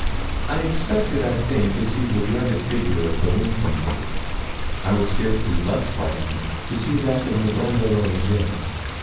I expected, I think, to see the dreaded figure of the linkman. I was scarcely less frightened to see that of Madame de la Rougierre.